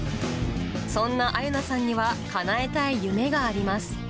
そんな愛結菜さんにはかなえたい夢があります。